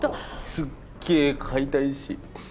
すっげえ飼いたいし